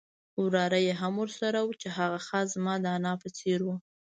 وراره یې هم ورسره وو چې هغه خاص زما د انا په څېر وو.